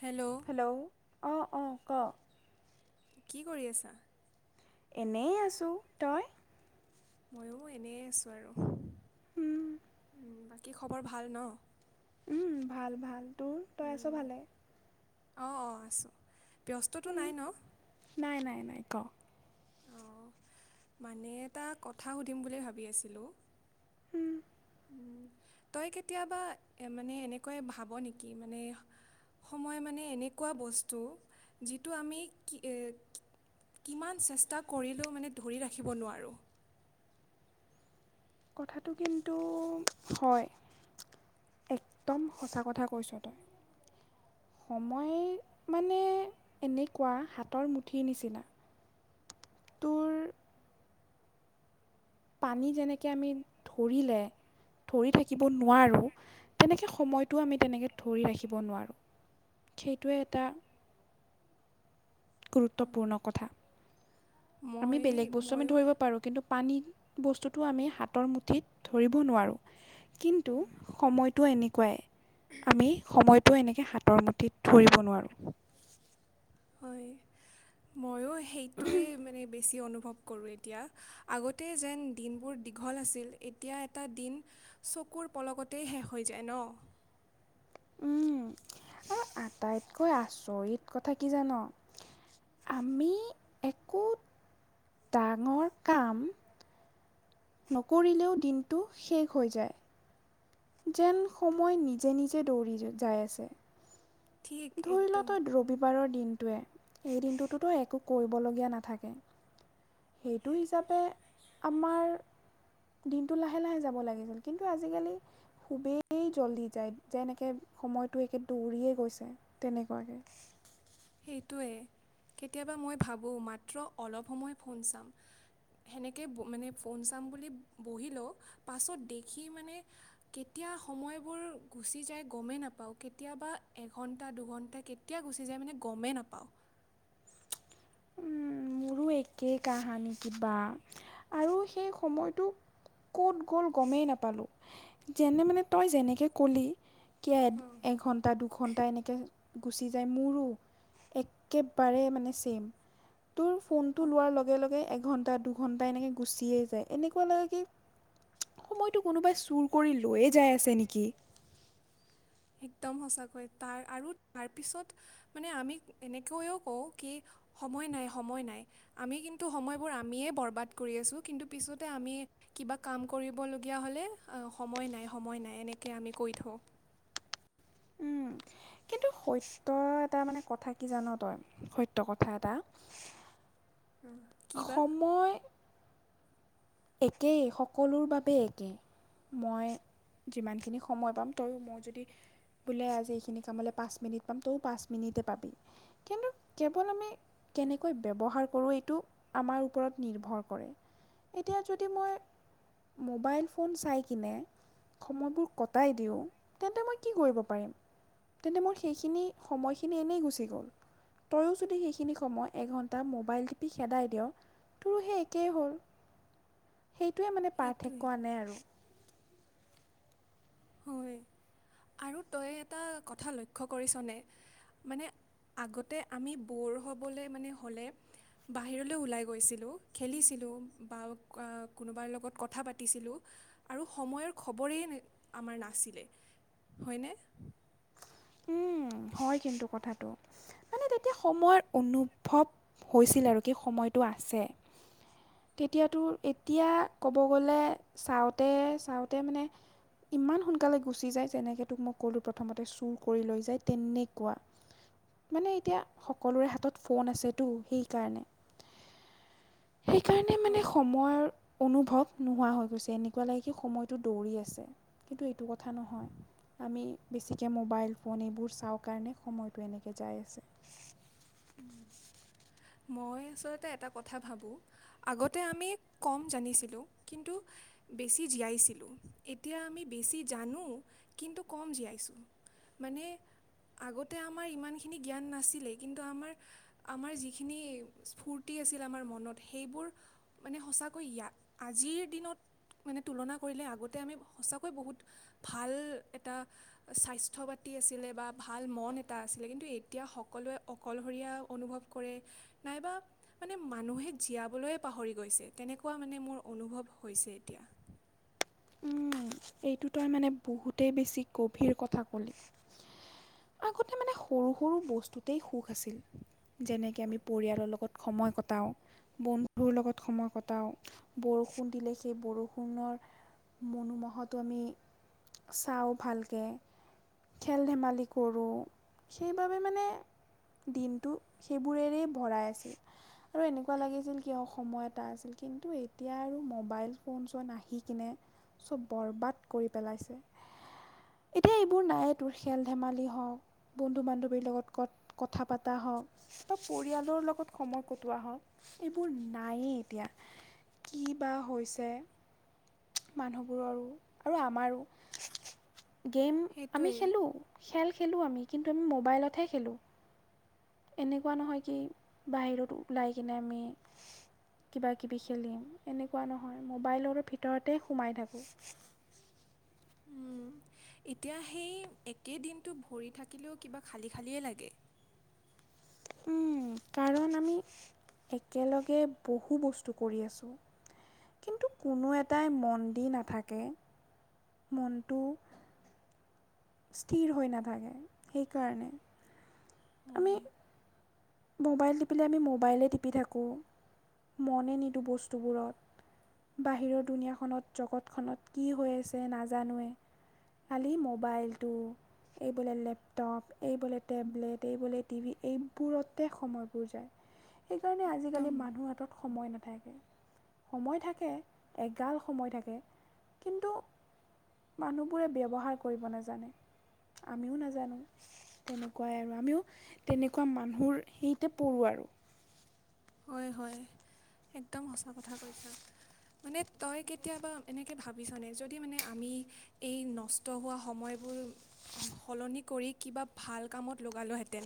Hello hello অঁ' অঁ' ক কি কৰি আছা? এনেই আছো তই? মইয়ো এনেই আছো আৰু। [unintelligible] বাকী খবৰ ভাল ন? ভাল ভাল তোৰ তই আছ ভালে? অ' অ' আছো ব্যস্ততটো নাই ন? এ ক অঁ' মানে এটা কথা সুধিম বুলি ভাবি আছিলোঁ। উম' তই কেতিয়াবা মানে এনেকৈ ভাব নেকি মানে সময় মানে এনেকুৱা বস্তু যিটো আমি কি কিমান চেষ্টা কৰিলেও মানে ধৰি ৰাখিব নোৱাৰোঁ। কথাটো কিন্তু হয়। একদম সঁচা কথা কৈছ তই। সময় মানে এনেকুৱা হাতৰ মুঠিৰ নিচিনা। [inaudible] তোৰ পানী যেনেকে আমি ধৰিলে ধৰি থাকিব নোৱাৰোঁ তেনেকে সময়টো আমি তেনেকে ধৰি ৰাখিব নোৱাৰোঁ। সেইটোৱে এটা [inaudible] গুৰুত্বপূৰ্ণ কথা। আমি মই বেলেগ বস্তু আমি ময়ো ধৰিব পাৰো কিন্তু পানী বস্তুটো আমি হাতৰ মুঠিত ধৰিব নোৱাৰোঁ কিন্তু সময়টো এনে শুকুৱাই আমি সময়টো এনেকৈ হাতৰ মুঠিত ধৰিব নোৱাৰোঁ। হয় ময়ো সেইটোৱে মানে বেছি অনুভৱ [inaudible] ছকুৰ পলকতেই শেষ হৈ যায় ন। উম আটাইতকৈ আচৰিত কথা কি জান? আমি একো ডাঙৰ কাম নকৰিলেও দিনটো শেষ হৈ যায়। যেন সময় নিজে নিজে দৌৰি যাই আছে। ঠিক ধৰি ল একদম ত ৰবিবাৰৰ দিন এই দিনটোতোতো একো কৰিবলগীয়া নাথাকে সেইটো হিচাপে আমাৰ দিনটো লাহে লাহে যাব লাগিছিল কিন্তু আজিকালি খুবেই জলদি যায় যে একে সময়টো একে দৌৰিয়ে গৈছে তেনেকুৱাকৈ সেইটোৱে কেতিয়াবা মই ভাবোঁ মাত্ৰ অলপ সময় ফোন চাম সেনেকে মানে ফোন চাম বুলি বহিলেও পাছত দেখি মানে কেতিয়া য়া সময়বোৰ গুচি যায় গমেই নাপাওঁ কেতিয়াবা এঘণ্টা দুঘণ্টা কেতিয়া গুচি যায় মানে গমেই নাপাওঁ মোৰো একে কাহানী কিবা আৰু সেই সময়টোক ক'ত গ'ল গমেই নাপালোঁ যেনে মানে তই যেনেকৈ ক'লি কিয় এঘণ্টা দুঘণ্টা এনেকে গুচি যায় মোৰো একেবাৰে মানে ছেম তোৰ ফোনটো লোৱাৰ লগে লগে এঘণ্টা দুঘণ্টা এনেকৈ গুচিয়ে যায় এনেকুৱা লাগে কি সময়টো কোনোবাই চুৰ কৰি লৈয়ে যাই আছে নেকি একদম সঁচাকৈ তাৰ আৰু তাৰপিছত মানে আমি এনেকৈও কওঁ কি সময় নাই সমই নাই আমি কিন্তু সময় বোৰ আমিয়ে বৰবাদ কৰি আছো কিন্তু পিছতে আমি কিবা কাম কৰিবলগীয়া হ'লে অ সময় নাই সময় নাই এনেকৈ আমি কৈ থওঁ সৈত্য এটা মানে কথা কি জান তই সৈত্য কথা এটা অ, কি বা সময় একেই সকলোৰ বাবে একেই মই যিমানখিনি সময় পাম তই মই যদি বোলে আজি এইখিনি কামলৈ পাঁচ মিনিট পাম তও পাঁচ মিনিটে পাবি কিন্তু কেৱল আমি কেনেকৈ ব্যৱহাৰ কৰোঁ এইটো আমাৰ ওপৰত নিৰ্ভৰ কৰে এতিয়া যদি মই মোবাইল ফোন চাই কিনে সময়বোৰ কটাই দিওঁ তেন্তে মই কি কৰিব পাৰিম তেন্তে মোৰ সেইখিনি সময়খিনি এনেই গুচি গ'ল তইয়ো যদি সেইখিনি সময় এঘণ্টা মোবাইল টিপি খেদাই দিয় তোৰো সেই একেই হ'ল সেইটোৱে মানে সেইটোৱে পাৰথৈক্য নাই আৰু হয় আৰু তই এটা কথা লক্ষ্য কৰিছনে মানে আগতে আমি ব'ৰ হ'বলৈ মানে হ'লে বাহিৰলৈ ওলাই গৈছিলোঁ খেলিছিলো। বা কোনোবাৰ লগত কথা পাতিছিলোঁ আৰু সময়ৰ খবৰেই আমাৰ নাছিলে হয়নে। হয় কিন্তু কথাটো মানে তেতিয়া সময়ৰ অনুভৱ হৈছিল আৰু কি সময়টো আছে। তেতিয়াতো এতিয়া ক'ব গ'লে চাওঁতে - চাওঁতে মানে ইমান সোনকালে গুচি যায় যেনেকে তোক মই ক'লো প্ৰথমতে চুৰ কৰি লৈ যায় তেনেকুৱা মানে এতিয়া সকলোৰে হাতত ফোন আছেতো সেইকাৰণে [inaudible] সেইকাৰণে মানে হয় সময়ৰ, অনুভৱ নোহোৱা হৈ গৈছে, এনেকুৱা লাগেকি সময়টো দৌৰি আছে কিন্তু এইটো কথা নহয়। আমি বেছিকৈ মোবাইল ফোন এইবোৰ চাওঁ কাৰণে সময়টো এনেকে যাই আছে। উম। মই আচলতে এটা কথা ভাবোঁ। আগতে আমি কম জানিছিলোঁ কিন্তু, বেছি জীয়াইছিলোঁ। এতিয়া আমি বেছি জানো কিন্তু কম জীয়াইছোঁ। মানে আগতে আমাৰ ইমানখিনি জ্ঞান নাছিলে কিন্তু, আমাৰ যিখিনি ফূৰ্তি আছিল আমাৰ মনত সেইবোৰ মানে সঁচাকে, ইয়াত, আজিৰ দিনত মানে তুলনা কৰিলে আগতে আমি সঁচাকৈ বহুত ভাল এটা স্বাস্থ্য বা আছিলে, বা ভাল মন এটা আছিলে কিন্তু এতিয়া সকলোৱে, অকলশৰীয়া অনুভৱ কৰে নাইবা মানে মানুহে জীয়াবলৈ পাহৰি গৈছে। তেনে এনেকুৱা মানে মোৰ অনুভৱ হৈছে এতিয়া। এইটো তই মানে বহুতেই বেছি গভীৰ কথা ক'লি। উ [inaudible] আগতে মানে সৰু- সৰু বস্তুতেই সুখ আছিল, যেনেকে আমি পৰিয়ালৰ লগত সময় কটাওঁ- বন্ধুৰ লগত সময় কটাও, বৰষুণ দিলে সেই বৰষুণৰ- মনোমোহাটো আমি চাওঁ ভালকে, খেল-ধেমালি কৰোঁ, সেইবাবে মানে- দিনটো সেইবোৰেৰেই ভৰাই আছিল। আৰু এনেকুৱা লাগিছিল কিয় সময় এটা আছিল, কিন্তু এতিয়া আৰু মোবাইল ফোন-চোন আহি কিনে- চব বৰবাদ কৰি পেলাইছে। এতিয়া এইবোৰ নায়ে তোৰ খেল ধেমালি হওঁক- বন্ধু বান্ধৱীৰ লগত ক কথা পতা হওঁক বা পৰিয়ালৰ লগত সময় কটোৱা হওক। এইবোৰ নায়েই এতিয়া কি বা হৈছে। মানুহবোৰৰো আৰু আমাৰো! গেম আমি সেইটোৱে খেলোঁ খেল-খেলোঁ আমি কিন্তু আমি মোবাইলতহে খেলোঁ। এনেকুৱা নহয় কি বাহিৰত ওলাই কিনে আমি কিবা কিবি খেলিম এনেকুৱা নহয় মোবাইলৰ ভিতৰতে সোমাই থাকোঁ। [inaudible] উম। এতিয়া সেই একেই দিনটো ভৰি থাকিলেও কিবা খালী খালিয়ে লাগে। [inaudible] কাৰণ আমি একেলগে বহু বস্তু কৰি আছোঁ। কিন্তু কোনো এটাই মন-দি নাথাকে। মনটো - স্থিৰ হৈ নাথাকে সেইকাৰণে- আমি হয়, মোবাইল টিপিলে আমি মোবাইলে টিপি থাকোঁ মনে নিদিওঁ বস্তুবোৰত। বাহিৰৰ দুনীয়াখনত জগতখনত কি হৈ আছে নাজানোৱে। খালি মোবাইলটো- এই বোলে লেপটপ, এই বোলে টেবলেট, এই বোলে টিভি এইবোৰত সময়বোৰ যায়, সেইকাৰণে আজিকালি একদম মানুহৰ হাতত সময় না সময় থাকে, এগাল সময় থাকে, কিন্তু মানুহবোৰে ব্যৱহাৰ কৰিব নেজানে। আমিও নাজানো, তেনেকুৱাই আৰু আমিও তেনেকুৱা মানুহৰ হেৰিতে পৰোঁ আৰু। হয়- হয়, একদম সঁচা কথা কৈছা। মানে তই কেতিয়াবা এনেকে ভাবিছ নে? যদি মানে আমি এই নষ্ট হোৱা সময়বোৰ সলনি কৰি কিবা ভাল কামত লগালোহেঁতেন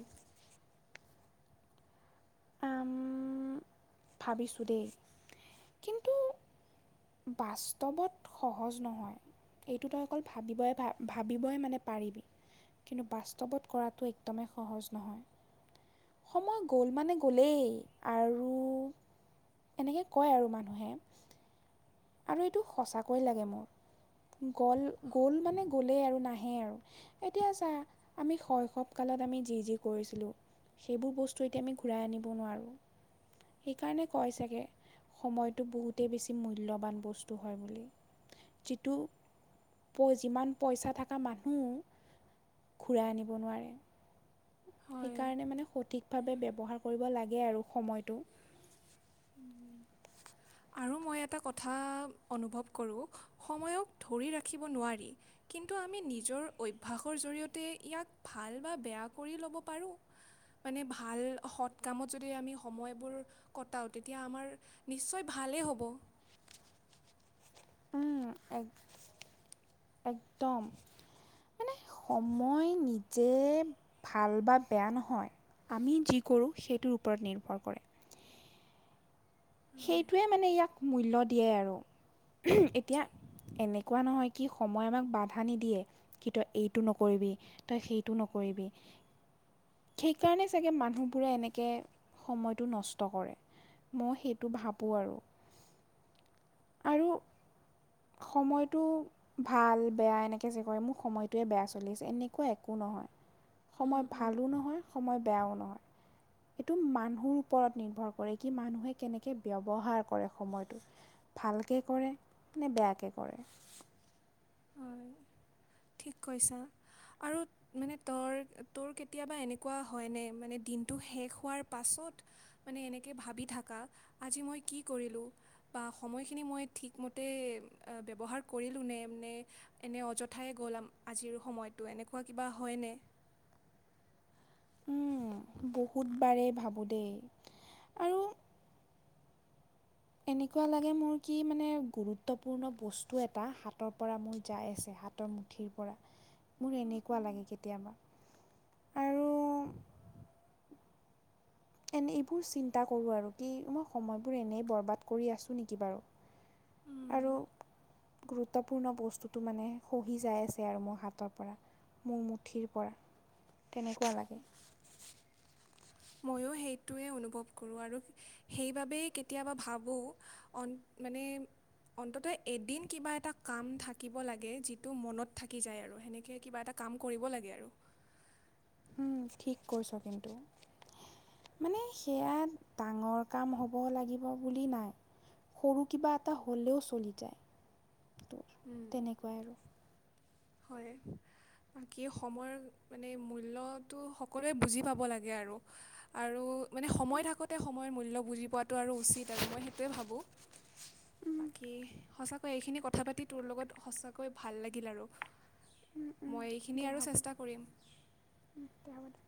আম, ভাবিছোঁ দেই কিন্তু বাস্তৱত সহজ নহয়। এইটো তই অকল, ভাবিবই ভা ভাবিবই মানে পাৰিবি। কিন্তু বাস্তৱত কৰাটো একদমেই সহজ নহয়। সময় গ'ল মানে গলেই আৰু এনেকে কয় আৰু মানুহে, আৰু এইটো সঁচাকৈয়ে লাগে মোৰ। গ'ল গ'ল মানে গ'লেই আৰু নাহে আৰু, এতিয়া চা আমি শৈশৱ কাল আমি যি যি কৰিছিলোঁ, সেইবোৰ বস্তু এতিয়া আমি ঘূৰাই আনিব নোৱাৰোঁ। সেইকাৰণে কয় চাগে, সময়টো বহুতেই বেছি মূ মূল্যবান বস্তু হয় বুলি, যিটো যিমান পইচা থকা মানুহ, ঘূৰাই আনিব নোৱাৰে। হয়। সেইকাৰণে মানে সঠিকভাৱে ব্যৱহাৰ কৰিব লাগে আৰু, সময়টো। [inaudible] আৰু মই এটা কথা অনুভৱ কৰোঁ, সময়ক ধৰি ৰাখিব নোৱাৰি, কিন তো আমি নিজৰ অভ্যাসৰ জৰিয়তে ইয়াক ভাল বা বেয়া কৰি ল'ব পাৰোঁ। মানে ভাল সৎ কামত যদি আমি সময়বোৰ ক কটাও তেতিয়া আমাৰ নিশ্চয় ভালেই হ'ব। উম, এক একদম। মানে সময় নিজে ভাল বা বেয়া নহয়। আমি যি কৰোঁ সেইটোৰ ওপৰত নিৰ্ভৰ কৰে। হয় সেইটোৱে মানে ইয়াক মূল্য দিয়ে আৰু এতিয়া এনেকুৱা নহয় কি সময় আমাক বাধা নিদিয়ে কি তই এইটো নকৰিবি তই সেইটো নকৰিবি। নকৰিবি। সেইকাৰণে চাগে মানুহবোৰে এনেকে সময়টো নষ্ট কৰে, মই সেই টো ভাবো আৰু। আৰু সময়টো ভাল বেয়া এনেকে যে কৰে মোৰ সময়টোয়ে বেয়া চলিছে এনেকুৱা একো নহয়, উম সময় উম ভালো নহয় সময় বেয়াও নহয়। এইটো মানুহৰ ওপৰত নিৰ্ভৰ কৰে কি মানুহে কেনেক কে ব্যৱহাৰ কৰে সময়টো ভালকে কৰে নে বেয়াকে কৰে। [inaudible] ঠিক কৈছা। আৰু মানে তৰ তোৰ কেতিয়াবা এনেকুৱা হয় নে মানে দিনটো শেষ হোৱাৰ পাছত মানে এনেকে ভাবি থাকা আজি মই কি কৰিলো বা সময়খিনি মই ঠিক মতে আ ব্যৱহাৰ কৰিলোনে নে এনে অজ থাই গ'ল আজিৰ সময়টো এনেকুৱা কিবা হয়নে? উম, বহুত বাৰেই ভাবো দেই আৰু এনেকুৱা লাগে মোৰ কি মানে গুৰুত্বপূৰ্ণ বস্তু এটা হাতৰ পৰা মোৰ যাই আছে। হাতৰ মুঠিৰ পৰা মোৰ এনেকুৱা লাগে কেতিয়াবা। আৰু [unintelligible] এনে এইবোৰ চিন্তা কৰোঁ আৰু কি মই সময়বোৰ এনেই বৰবাদ কৰি আছো নেকি বাৰু। আৰু গুৰুত্বপূৰ্ণ বস্তুটো মানে সহি যাই আছে আৰু মোৰ হাতৰ পৰা মোৰ মুঠিৰ পৰা তেনেকুৱা লাগে [inaudible] ময়ো সেইটোৱে অনুভৱ কৰোঁ আৰু সেইবাবেই কেতিয়াবা ভাবোঁ মানে। অন্তত এদিন কিবা এটা কাম থাকিব লাগে যিটো মনত থাকি যায় আৰু সেনেকে কিবা এটা কাম কৰিব লাগে আৰু। উম, ঠিক কইছা কিন্তু। মানে সেয়া ডাঙৰ কাম হ'ব লাগিব বুলি নাই। সৰু কিবা এটা হ'লেও চলি যায় তোৰ তেনেকুৱাই আৰু। হয় বাকী সময়ৰ মানে মূল্যটো সকলোৱে বুজি পাব লাগে আৰু। আৰু আৰু মানে সময় থাকোতে সময়ৰ মূল্য বুজি পোৱাটো আৰু উচিত আৰু মই সেইটোৱে ভাবোঁ। বাকী সঁচাকৈ এইখিনি কথা পাতি তোৰ লগত সঁচাকৈ ভাল লাগিল আৰু। উম, উম, মই এইখিনি দে আৰু হ'ব চেষ্টা দে কৰিম উম, দে হ'ব দে।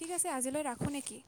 ঠিক আছে আজিলৈ ৰাখোঁ নেকি?